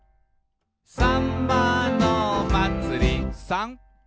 「さんまのまつり」「さん」